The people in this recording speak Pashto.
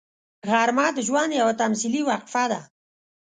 غرمه د ژوند یوه تمثیلي وقفه ده